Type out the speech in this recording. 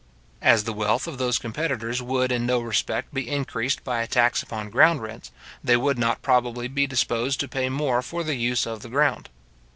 As the wealth of those competitors would in no respect be increased by a tax upon ground rents, they would not probably be disposed to pay more for the use of the ground.